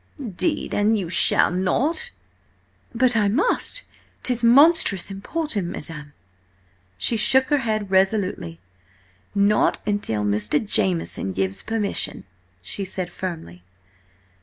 "'Deed, an' you shall not!" "But I must! 'Tis monstrous important, madam." She shook her head resolutely. "Not until Mr. Jameson gives permission," she said firmly.